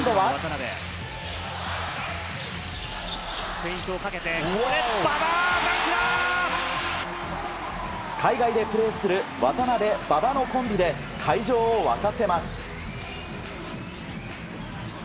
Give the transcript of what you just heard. フェイントをかけて、海外でプレーする渡邊、馬場のコンビで、会場を沸かせます。